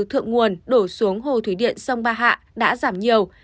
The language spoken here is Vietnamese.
thượng nguồn đổ xuống hồ thủy điện sông ba hạ đã giảm nhiều